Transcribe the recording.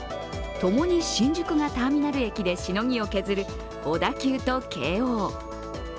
ともに新宿がターミナル駅でしのぎを削る、小田急と京王。